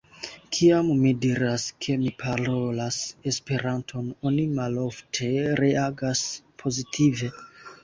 Kiam mi diras, ke mi parolas Esperanton, oni malofte reagas pozitive.